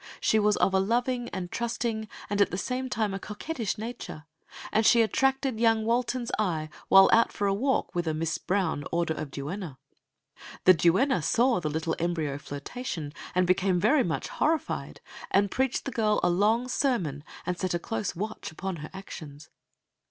She was of a loving and trusting and at the same time a coquettish nature, and she attracted young Walton's eye while out for a walk with a "Miss Brown" order of duenna. The duenna saw the little embryo flirtation, and became very much horrified, and preached the girl a long sermon, and set a close watch upon her actions.